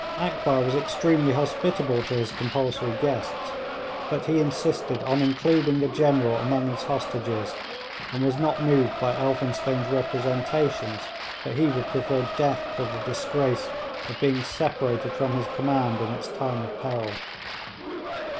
Akbar was extremely hospitable to his compulsory guests; but he insisted on including the General among his hostages, and was not moved by Elphinstone's representations that he would prefer death to the disgrace of being separated from his command in its time of peril.